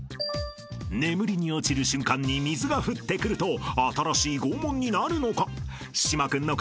［眠りに落ちる瞬間に水が降ってくると新しい拷問になるのか？］